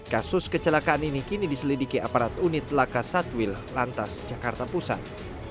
kasus kecelakaan ini kini diselidiki aparat unit laka satwil lantas jakarta pusat